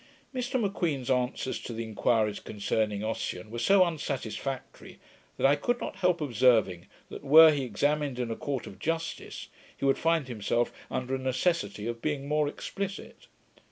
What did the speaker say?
Mr M'Queen's answers to the inquiries concerning Ossian were so unsatisfactory, that I could not help observing, that, were he examined in a court of justice, he would find himself under a necessity of being more explicit.